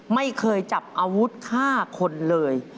ไม่เคยจับอาวุธฆ่าคนเลย